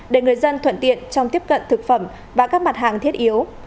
để người dân thuận tiện trong tiếp cận thực phẩm và các mặt hàng thiết yếu